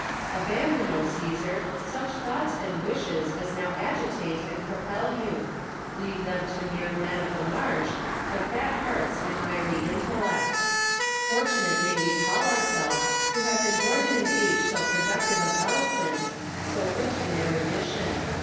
Abandon, O Caesar ! such thoughts and wishes as now agitate and propel you : leave them to mere men of the marsh, to fat hearts and miry intellects. Fortunate may we call ourselves to have been liorn in an age so productive of eloquence, so rich in erudition.